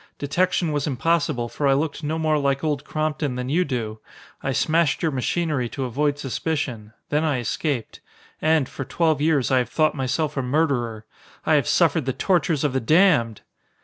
Detection was impossible, for I looked no more like Old Crompton than you do. I smashed your machinery to avoid suspicion. Then I escaped. And, for twelve years, I have thought myself a murderer. I have suffered the tortures of the damned!"